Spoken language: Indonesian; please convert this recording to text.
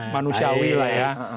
manusiawi lah ya